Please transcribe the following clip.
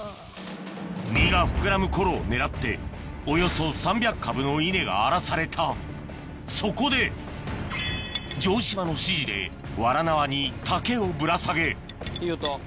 実が膨らむ頃を狙っておよそ３００株の稲が荒らされたそこで城島の指示でわら縄に竹をぶら下げいい音。